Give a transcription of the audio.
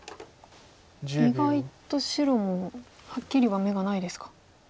意外と白もはっきりは眼がないですか。